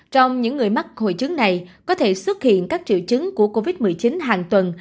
trong những người mắc hội chứng này có thể xuất hiện các triệu chứng của covid một mươi chín hàng tuần